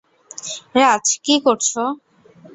রাজ, কি করছো?